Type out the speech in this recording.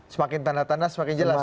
semakin tanda tanda semakin jelas